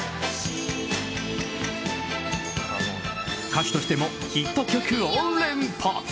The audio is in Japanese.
歌手としてもヒット曲を連発。